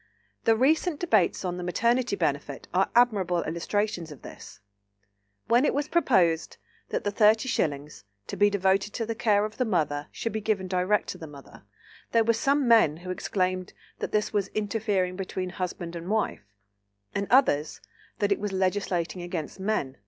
The recent debates on the Maternity Benefit are admirable illustrations of this. When it was proposed that the thirty shillings, to be devoted to the care of the mother, should be given direct to the mother, there were some men who exclaimed that this was "interfering between husband and wife," and others, that it was "legislating against men."